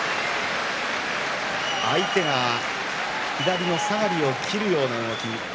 相手が左の下がりを切るような動き